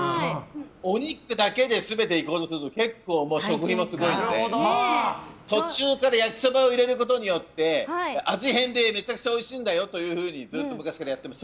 お肉だけで全ていこうとすると結構、食費もすごいので途中から焼きそばを入れることによって味変で、めちゃくちゃおいしいんだよというふうにずっと昔からやってます。